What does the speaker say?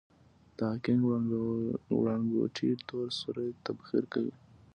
د هاکینګ وړانګوټې تور سوري تبخیر کوي.